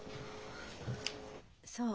そう。